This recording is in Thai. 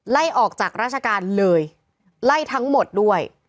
ไล่ออกจากราชการเลยไล่ทั้งหมดด้วย